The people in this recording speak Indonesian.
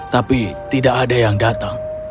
tapi tidak ada yang datang